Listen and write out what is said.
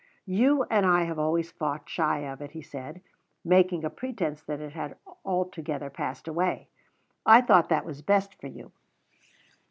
"You and I have always fought shy of it," he said, "making a pretence that it had altogether passed away. I thought that was best for you."